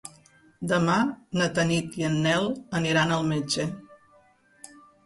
Demà na Tanit i en Nel aniran al metge.